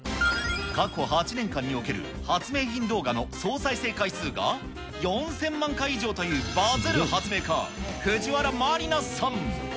過去８年間における発明品動画の総再生回数が４０００万回以上というバズる発明家、藤原麻里菜さん。